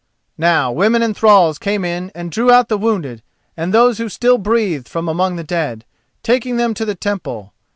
Now women and thralls came in and drew out the wounded and those who still breathed from among the dead, taking them to the temple.